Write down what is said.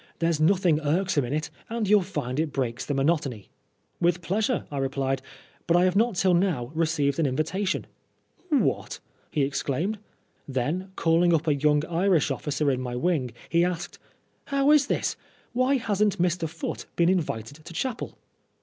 There's nothing irksome in itj and youll find it breaks the monotony." " With pleasure," I replied, " but I have not till now received an invitation." " What !" he exclaimed. Then, call ing up a young Irish officer in my wing, he asked " How is this ? Why hasn't Mr. Foote been invited to chapel